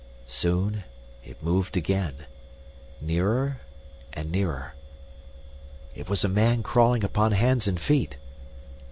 Soon it moved again, nearer and nearer. It was a man crawling upon hands and feet!